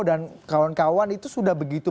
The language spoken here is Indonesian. dan kawan kawan itu sudah begitu